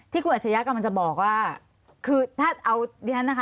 ที่คุณอัจฉยักรกำลังจะบอกว่าคือถ้านี้นะคะ